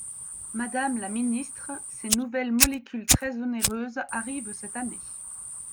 Madame la ministre, ces nouvelles molécules très onéreuses arrivent cette année.